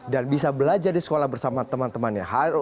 dan bisa belajar di sekolah bersama teman temannya